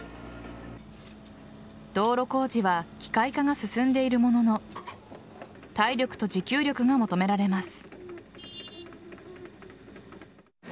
道路工事は機械化が進んでいるものの体力と持久力が求められます。